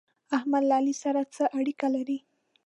احمد له علي سره څه اړېکې لري؟